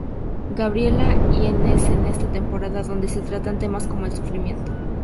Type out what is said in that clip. Gabriela y en es en esta temporada donde se tratan temas como el sufrimiento.